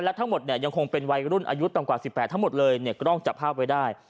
และทั้งหมดเนี่ยยังคงเป็นวัยรุ่นอายุต่ำกว่า๑๘ทั้งหมดเลยเนี่ยกล้องจับภาพไว้ได้